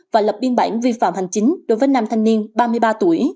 và lập biên bản vi phạm hành chính đối với nam thanh niên ba mươi ba tuổi